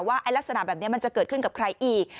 ลักษณะแบบนี้มันจะเกิดขึ้นกับใครอีก